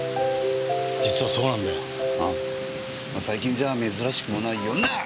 ま最近じゃ珍しくもないよなぁ！